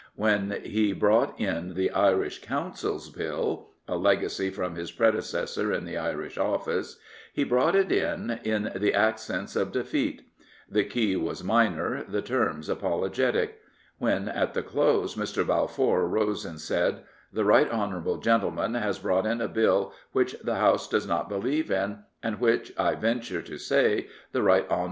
When he brought in the Irish Councils Bill — a legacy from his predecessor in the Irish Office — he brought it in in the accents of defeat. The key was minor, the terms apologetic. When at the close Mr. Balfour rose and said, " The right hon. gentleman has brought in a Bill which the House does not believe in, and which, I venture to say, the right hon.